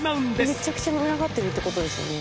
めちゃくちゃ群がってるってことですよね。